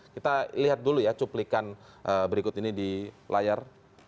kita lihat dulu ya cuplikan berikut ini di layar